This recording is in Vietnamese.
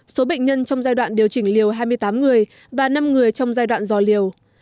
số bệnh nhân trong giai đoạn điều chỉnh liều hai mươi tám người và năm người trong giai đoạn dò liều